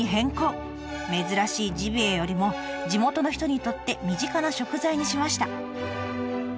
珍しいジビエよりも地元の人にとって身近な食材にしました。